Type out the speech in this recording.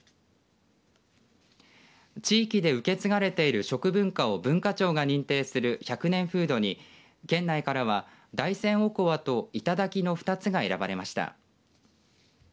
地域で受け継がれている食文化を文化庁が認定する１００年フードに県内からは大山おこわといただきの２つが選ばれました。